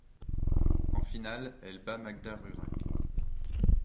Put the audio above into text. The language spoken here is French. En finale, elle bat Magda Rurac.